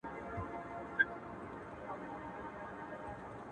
خير دی د ميني د وروستي ماښام تصوير دي وي ـ